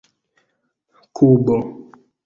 kubo